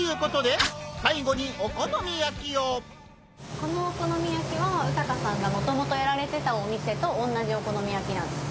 この「お好み焼き」は宇高さんが元々やられてたお店と同じ「お好み焼き」なんですか？